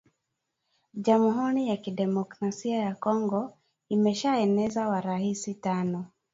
Jamhuri ya ki democrasia ya kongo imesha eneza wa rahisi tano